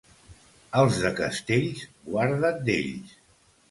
Els de Castells, guarda't d'ells.